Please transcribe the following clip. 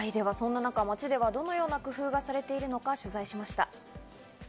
街ではどんな工夫がされているのか取材しました。